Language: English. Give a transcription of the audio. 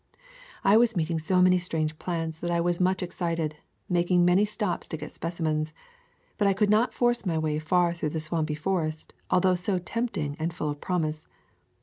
I was meeting so many strange plants that I was much excited, making many stops to get specimens. But I could not force my way far through the swampy forest, although so tempt ing and full of promise.